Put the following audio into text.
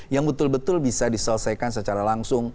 yang betul betul bisa diselesaikan secara langsung